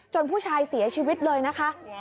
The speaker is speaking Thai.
ผู้ชายเสียชีวิตเลยนะคะ